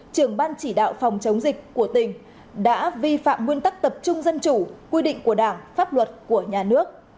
trưởng ban chỉ đạo phòng chống dịch của tỉnh đã vi phạm nguyên tắc tập trung dân chủ quy định của đảng pháp luật của nhà nước